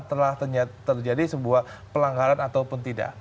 telah terjadi sebuah pelanggaran ataupun tidak